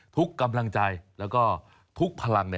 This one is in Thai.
ทุกกำลังใจแล้วก็ทุกพลัง